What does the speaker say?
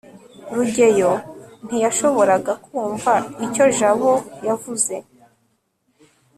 rugeyo ntiyashoboraga kumva icyo jabo yavuze